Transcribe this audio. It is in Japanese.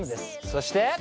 そして。